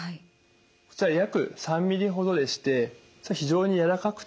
こちら約３ｍｍほどでして非常に軟らかくてですね